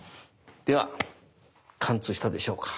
では貫通したでしょうか？